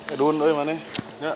aduh ini mana